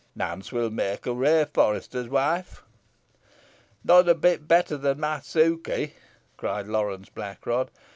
Nance win make a rare forester's wife." "Not a bit better than my Sukey," cried Lawrence Blackrod.